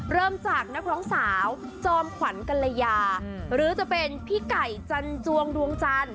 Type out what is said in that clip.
เริ่มจากนักร้องสาวจอมขวัญกัลยาหรือจะเป็นพี่ไก่จันจวงดวงจันทร์